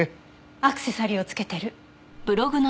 アクセサリーを着けてる。